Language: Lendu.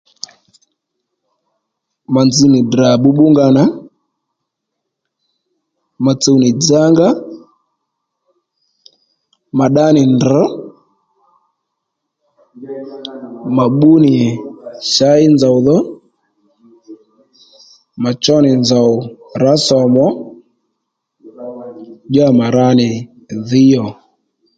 Mà nzz nì Ddrà bbǔbbú nga nà ma tsuw nì dzá nga ma ddá nì ndrr̀ mà bbú nì shǎy nzòw dho mà cho nì nzòw rǎ sòmù ò ddíyà mà ra nì dhǐy ò